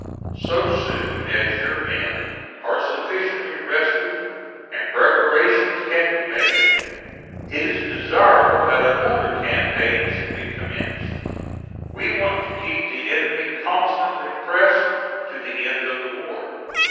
So soon as your men are sufficiently rested, and preparations can be made, it is desirable that another campaign should be commenced. We want to keep the enemy constantly pressed to the end of the war.